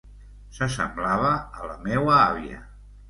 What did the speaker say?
S'assemblava a la meua àvia...